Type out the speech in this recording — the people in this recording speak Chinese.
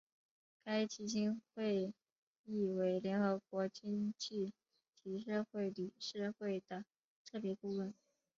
该基金会亦为联合国经济及社会理事会的特别顾问。